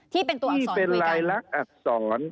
ที่เป็นตัวอักษรด้วยกันที่เป็นรายลักษณ์อักษร